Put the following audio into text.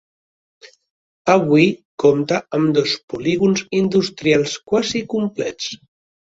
Avui compta amb dos polígons industrials quasi complets.